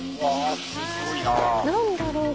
何だろう？